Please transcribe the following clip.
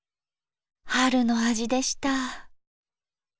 春の味でした。